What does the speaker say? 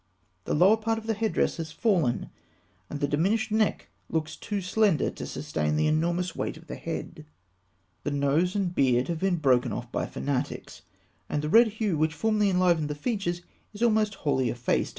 The lower part of the head dress has fallen, and the diminished neck looks too slender to sustain the enormous weight of the head. The nose and beard have been broken off by fanatics, and the red hue which formerly enlivened the features is almost wholly effaced.